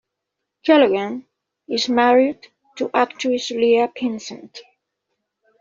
Keleghan is married to actress Leah Pinsent.